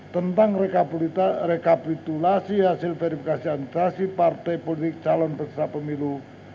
tentang rekabitulasi hasil verifikasi antrasi partai politik calon peserta pemilu